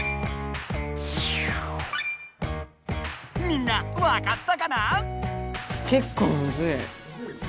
みんなわかったかな？